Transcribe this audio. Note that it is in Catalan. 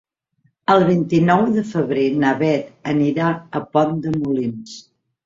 El vint-i-nou de febrer na Beth anirà a Pont de Molins.